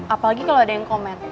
apalagi kalau ada yang komen